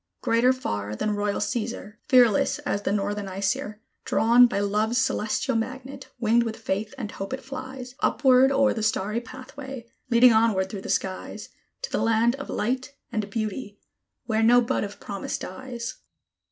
Greater far than royal Cæsar, Fearless as the northern Æsir, Drawn by Love's celestial magnet, winged with faith and hope it flies, Upward o'er the starry pathway, leading onward through the skies, To the land of Light and Beauty, where no bud of promise dies.